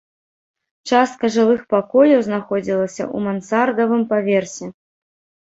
Частка жылых пакояў знаходзілася ў мансардавым паверсе.